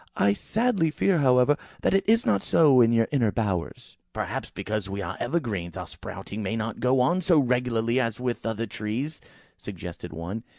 I sadly fear, however, that it is not so in your inner bowers." "Perhaps, because we are evergreens, our sprouting may not go on so regularly as with the other trees," suggested one.